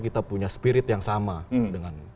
kita punya spirit yang sama dengan